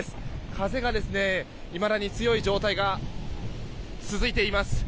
風がいまだに強い状態が続いています。